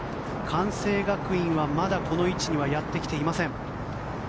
関西学院はまだこの位置にはやってきていません。